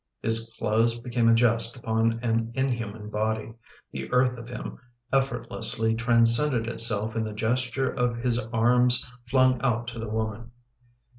His clothes became a jest upon an inhuman body; the earth of him effortlessly transcended itself in the gesture of his arm flung out to the woman.